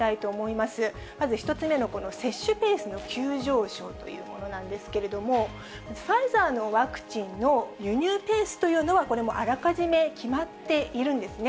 まず１つ目の接種ペースの急上昇というものなんですけれども、ファイザーのワクチンの輸入ペースというのは、これもう、あらかじめ決まっているんですね。